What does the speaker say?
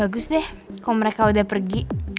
bagus deh kalau mereka udah pergi